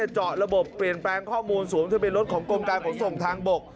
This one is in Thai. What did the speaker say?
เจาะระบบเปลี่ยนแปลงข้อมูลสวมทะเบียนรถของกรมการขนส่งทางบก